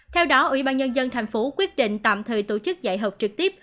theo đó ủy ban nhân dân thành phố quyết định tạm thời tổ chức dạy học trực tiếp